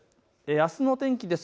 あすの天気です。